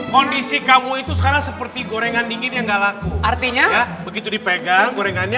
kondisi kamu itu sekarang seperti gorengan dingin yang enggak laku artinya begitu dipegang gorengannya